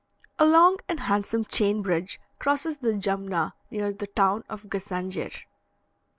A long and handsome chain bridge crosses the Jumna near the town of Gassanger.